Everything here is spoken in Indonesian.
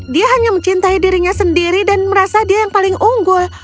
dia hanya mencintai dirinya sendiri dan merasa dia yang paling unggul